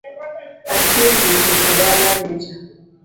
Achiegni chopo dala rita